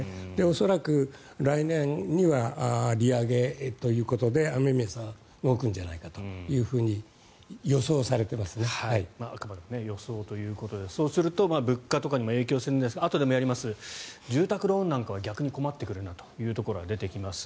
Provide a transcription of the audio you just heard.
恐らく来年には利上げということで雨宮さんが動くんじゃないかとあくまで予想ということでそうすると物価にも影響してくるんですがあとでもやりますが住宅ローンなんかは逆に困ってくるなというところが出てきます。